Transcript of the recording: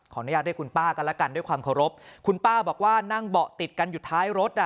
อนุญาตเรียกคุณป้ากันแล้วกันด้วยความเคารพคุณป้าบอกว่านั่งเบาะติดกันอยู่ท้ายรถอ่ะ